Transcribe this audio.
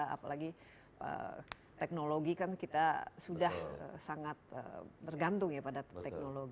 apalagi teknologi kan kita sudah sangat bergantung ya pada teknologi